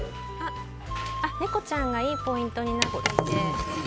猫ちゃんがいいポイントになっていて。